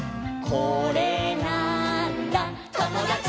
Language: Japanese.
「これなーんだ『ともだち！』」